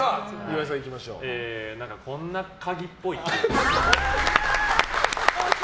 こんな鍵っぽい。